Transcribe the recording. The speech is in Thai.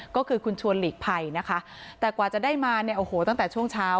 ก็คือคุณชวนหลีกภัยนะคะแต่กว่าจะได้มาเนี่ยโอ้โหตั้งแต่ช่วงเช้า